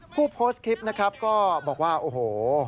ผู้โพสต์คลิปนะครับก็บอกว่าโอ้โห